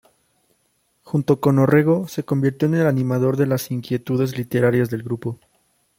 Junto con Orrego se convirtió en el animador de las inquietudes literarias del grupo.